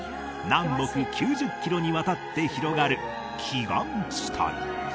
南北９０キロにわたって広がる奇岩地帯